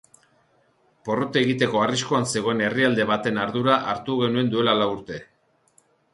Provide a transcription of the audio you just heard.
Porrot egiteko arriskuan zegoen herrialde baten ardura hartu genuen duela lau urte.